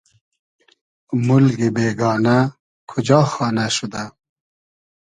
مولگی بېگانۂ کوجا خانۂ شودۂ